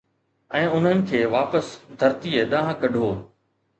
۽ انھن کي واپس ڌرتيءَ ڏانھن ڪڍو